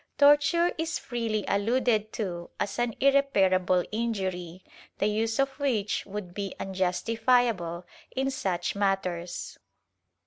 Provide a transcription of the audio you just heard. Torture is freely alluded to as an irreparable injury the use of which would be unjustifiable in such matters.